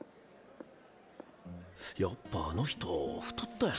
やっぱあの人太ったよ。